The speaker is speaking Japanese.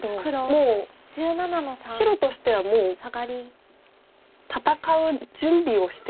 もう白としてはもう戦う準備をしてるような。